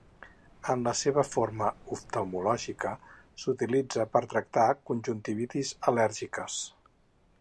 En la seva forma oftalmològica, s'utilitza per tractar conjuntivitis al·lèrgiques.